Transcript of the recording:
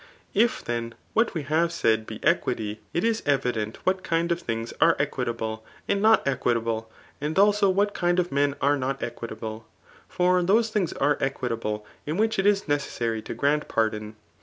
If then what we have said be equity, it is evident whstt kind of things are equitable and not equi* table, and abo what kind of men are not equitable. For Aose things are equitable in which it is necessary to grant pardon.